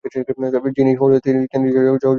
যিনিই হউন, তিনি যে জগতের পূজ্য তাহাতে আর সন্দেহ নাই।